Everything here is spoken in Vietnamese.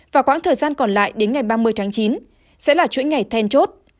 và quãng thời gian còn lại đến ngày ba mươi tháng chín sẽ là chuỗi ngày then chốt